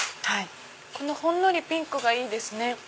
ほんのりピンクがいいですね。